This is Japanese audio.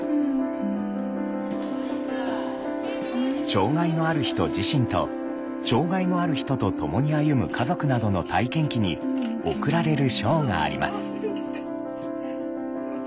障害のある人自身と障害のある人と共に歩む家族などの体験記に贈られる賞があります。